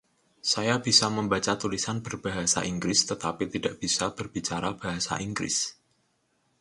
Saya bisa membaca tulisan berbahasa Inggris, tetapi tidak bisa berbicara bahasa Inggris.